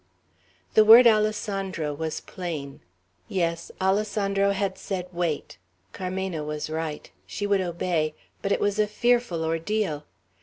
The word "Alessandro" was plain. Yes, Alessandro had said, wait; Carmena was right. She would obey, but it was a fearful ordeal.